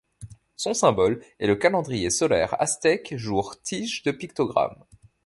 Son symbole est le calendrier solaire aztèque jour tige de pictogramme.